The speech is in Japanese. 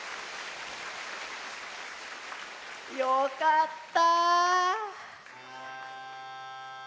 よかった。